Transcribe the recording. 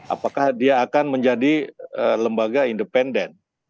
apakah dia akan menjadi lembaga independen